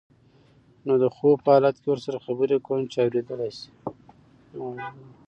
نو د خوب په حالت کې ورسره خبرې کوه چې اوریدلی شي.